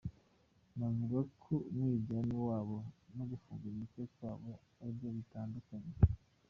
Navuga ko umwiryane wabo no gufunga imitwe kwabo aribyo bidutandukanyije”.